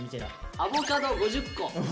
「アボカド５０個」。